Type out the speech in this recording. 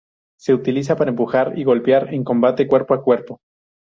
Se utiliza para empujar y golpear en combate cuerpo a cuerpo.